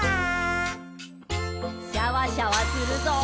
シャワシャワするぞ。